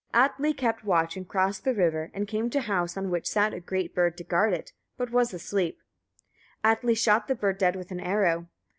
Atli kept watch, and crossed the river, and came to a house, on which sat a great bird to guard it, but was asleep. Atli shot the bird dead with an arrow.